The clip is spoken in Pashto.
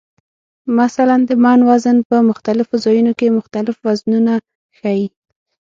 مثلا د "من" وزن په مختلفو ځایونو کې مختلف وزنونه ښیي.